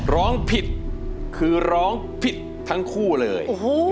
ร้องผิดคือร้องผิดทั้งคู่เลย